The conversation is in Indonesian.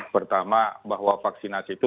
pertama bahwa vaksinasi itu